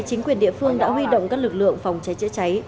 chính quyền địa phương đã huy động các lực lượng phòng cháy chữa cháy